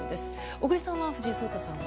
小栗さんは藤井聡太さんは？